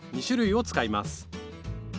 ２種類を使います。